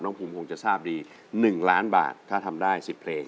ภูมิคงจะทราบดี๑ล้านบาทถ้าทำได้๑๐เพลง